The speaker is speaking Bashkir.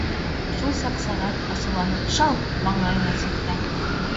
Шул саҡ Сәғәт, асыуланып, «шалт!» маңлайына сирткән.